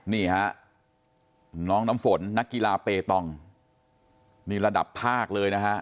นี่ฮะน้องน้ำฝนนักกีฬาเปตองนี่ระดับภาคเลยนะฮะ